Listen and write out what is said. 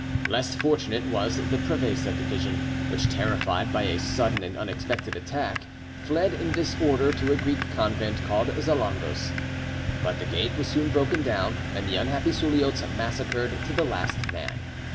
Less fortunate was the Prevesa division, which, terrified by a sudden and unexpected attack, fled in disorder to a Greek convent called Zalongos. But the gate was soon broken down, and the unhappy Suliots massacred to the last man.